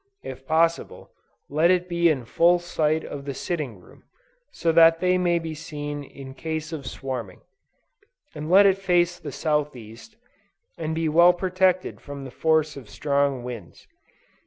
If possible, let it be in full sight of the sitting room, so that they may be seen in case of swarming; and let it face the South East, and be well protected from the force of strong winds.